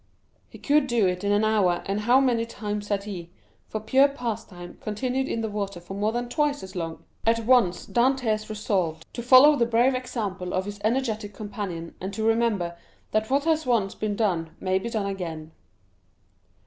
He could do it in an hour, and how many times had he, for pure pastime, continued in the water for more than twice as long! At once Dantès resolved to follow the brave example of his energetic companion, and to remember that what has once been done may be done again.